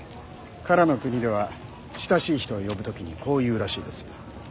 唐の国では親しい人を呼ぶ時にこう言うらしいです。